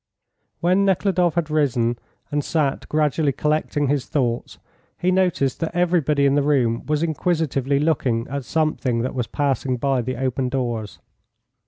When Nekhludoff had risen and sat gradually collecting his thoughts, he noticed that everybody in the room was inquisitively looking at something that was passing by the open doors.